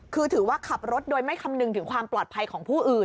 คือถือว่าขับรถโดยไม่คำนึงถึงความปลอดภัยของผู้อื่น